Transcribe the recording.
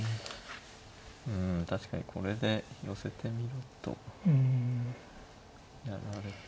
うん確かにこれで寄せてみろと。やられた。